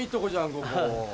ここ。